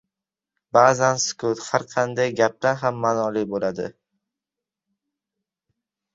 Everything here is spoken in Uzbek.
Ba’zan sukut har qanday gapdan ham ma’noli bo‘ladi.